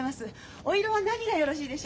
お色は何がよろしいでしょう？